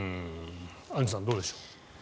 アンジュさんどうでしょう。